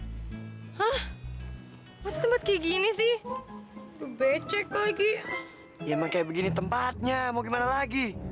hai deh sini deh hah tempat gini sih becek lagi emang kayak begini tempatnya mau gimana lagi